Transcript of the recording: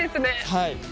はい。